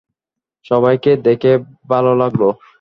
সবাইকে দেখে ভাল লাগল।